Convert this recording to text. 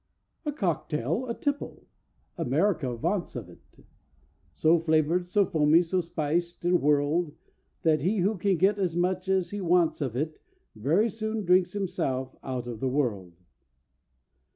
"A cocktail's a tipple—America vaunts of it— So flavoured, so foamy, so spiced, and whirled, That he who can get as much as he wants of it Very soon drinks himself out of the world.